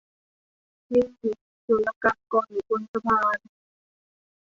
มีศุลกากรอยู่บนสะพาน